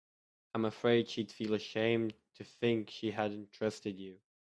I'm afraid she'd feel ashamed to think she hadn't trusted you.